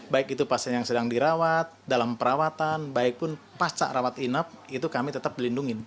baik itu pasien yang sedang dirawat dalam perawatan baik pun pasca rawat inap itu kami tetap dilindungi